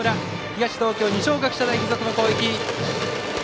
東京、二松学舎大付属の攻撃。